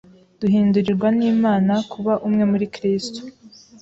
Duhindurirwa n’Imana kuba umwe muri Kristo.